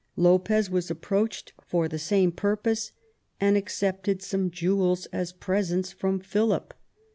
Lopez was approached for the same purpose, and accepted some jewels as presents from Philip.